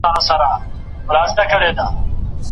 دا ممکنه ده چې د تاریخ او مفهوم ترمنځ اړیکه لرل سي.